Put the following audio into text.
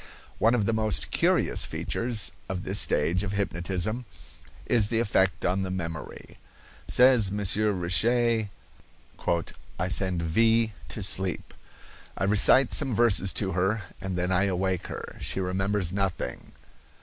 One of the most curious features of this stage of hypnotism is the effect on the memory. Says Monsieur Richet: "I send V——— to sleep. I recite some verses to her, and then I awake her. She remembers nothing.